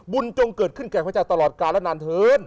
จงเกิดขึ้นแก่พระเจ้าตลอดกาลและนานเถิน